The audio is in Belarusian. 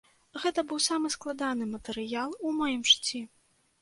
Гэта быў самы складаны матэрыял у маім жыцці.